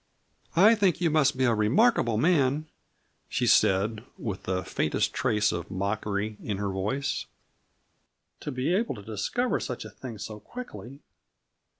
"I think you must be a remarkable man," she said, with the faintest trace of mockery in her voice, "to be able to discover such a thing so quickly.